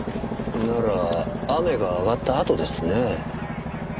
なら雨が上がったあとですね。